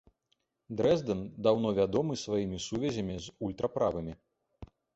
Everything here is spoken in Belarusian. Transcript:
Дрэздэн даўно вядомы сваімі сувязямі з ультраправымі.